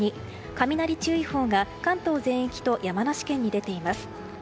雷注意報が関東全域と山梨県に出ています。